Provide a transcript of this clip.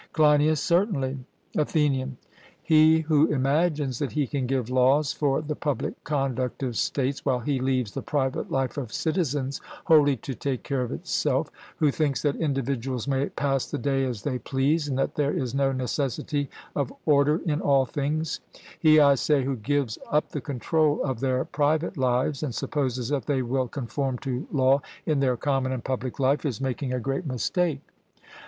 CLEINIAS: Certainly. ATHENIAN: He who imagines that he can give laws for the public conduct of states, while he leaves the private life of citizens wholly to take care of itself; who thinks that individuals may pass the day as they please, and that there is no necessity of order in all things; he, I say, who gives up the control of their private lives, and supposes that they will conform to law in their common and public life, is making a great mistake.